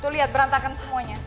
tuh liat berantakan semuanya